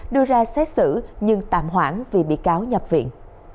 đưa ra xét xử nhưng tạm hoãn vì bị cáo nhập viện